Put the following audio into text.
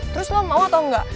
terus lo mau atau enggak